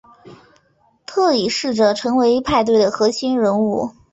特里试着成为派对的核心人物。